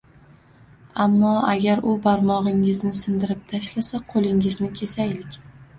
Ammo agar u barmog'ingizni sindirib tashlasa, qo'lingizni kesaylik